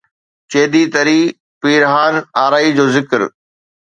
چيدي تري پيرھان آرائي جو ذڪر